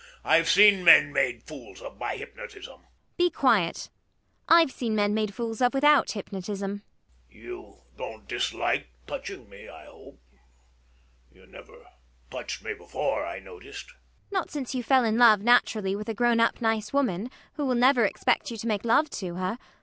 I've seen men made fools of by hypnotism. ELLIE [steadily]. Be quiet. I've seen men made fools of without hypnotism. MANGAN [humbly]. You don't dislike touching me, I hope. You never touched me before, I noticed. ELLIE. Not since you fell in love naturally with a grown up nice woman, who will never expect you to make love to her.